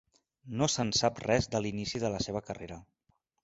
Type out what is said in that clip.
No se'n sap res de l'inici de la seva carrera.